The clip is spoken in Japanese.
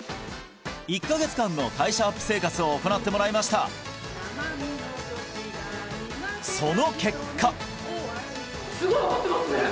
１カ月間の代謝アップ生活を行ってもらいましたその結果かなり上昇してます